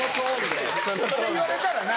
・それ言われたらな